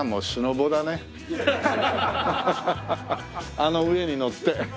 あの上に乗って。